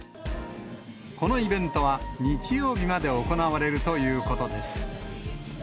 このイベントは日曜日まで行われるということです。